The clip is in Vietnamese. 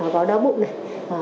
có đau bụng này